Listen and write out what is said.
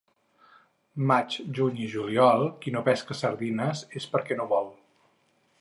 Maig, juny i juliol, qui no pesca sardina és perquè no vol.